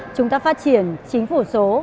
chúng ta phát triển chính phủ số